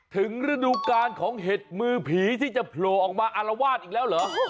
ฤดูการของเห็ดมือผีที่จะโผล่ออกมาอารวาสอีกแล้วเหรอ